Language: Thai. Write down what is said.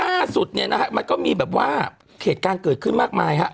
ล่าสุดมันก็มีแบบว่าเผตการณ์เกิดขึ้นมากมายฮะ